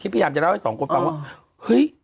ทีมพยายามจะเล่าให้๒คนไปบอกว่า